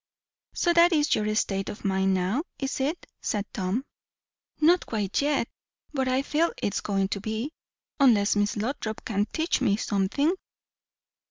"So that is your state of mind now, is it?" said Tom. "Not quite yet, but I feel it is going to be. Unless Miss Lothrop can teach me something."